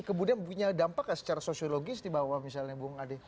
kemudian punya dampak gak secara sosiologis di bawah misalnya bung ade